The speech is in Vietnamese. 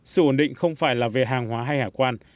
sự ổn định không phải là về hàng hóa hay hải quan